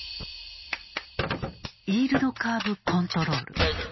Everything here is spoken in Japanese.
「イールドカーブ・コントロール」。